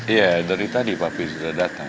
iya dari tadi papi sudah dateng